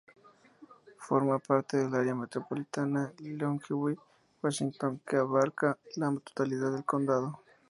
Forma parte del Área Metropolitana Longview, Washington que abarca la totalidad del Condado.